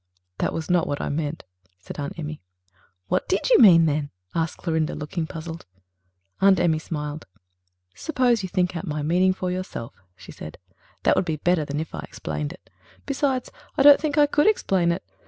"That was not what I meant," said Aunt Emmy. "What did you mean, then?" asked Clorinda, looking puzzled. Aunt Emmy smiled. "Suppose you think out my meaning for yourself," she said. "That would be better than if I explained it. Besides, I don't think I could explain it.